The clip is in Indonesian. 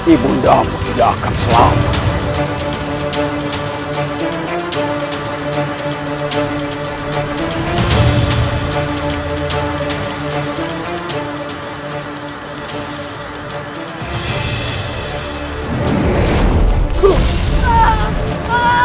ibu anda tidak akan selamat